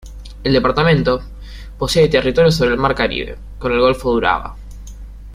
El departamento posee territorio sobre el mar Caribe, con el golfo de Urabá.